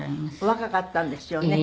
若かったんですよね。